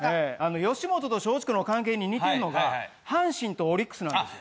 吉本と松竹の関係に似てんのが阪神とオリックスなんです。